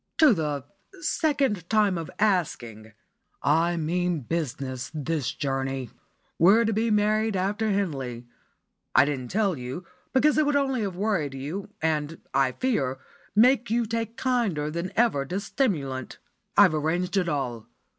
"To the 'second time of asking.' I mean business this journey. We're to be married after Henley. I didn't tell you, because it would only have worried you, and, I fear, make you take kinder than ever to stimulant. I've arranged it all.